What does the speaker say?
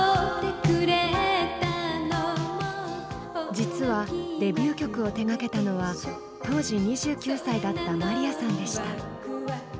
実はデビュー曲を手がけたのは当時２９歳だったまりやさんでした。